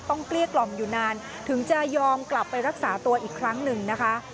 เกลี้ยกล่อมอยู่นานถึงจะยอมกลับไปรักษาตัวอีกครั้งหนึ่งนะคะ